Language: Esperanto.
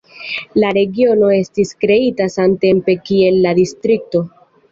La regiono estis kreita samtempe kiel la distrikto.